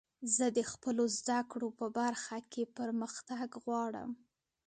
زه د خپلو زدکړو په برخه کښي پرمختګ غواړم.